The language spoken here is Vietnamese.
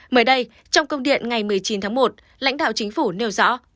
mới đây trong công điện ngày một mươi chín tháng một lãnh đạo chính phủ nêu rõ